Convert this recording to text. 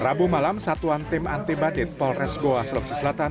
rabu malam satuan tim anti badit polres goa selokseselatan